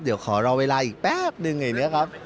เดี๋ยวขอรอเวลาอีกแป๊บหนึ่งแบบนี้นะครับ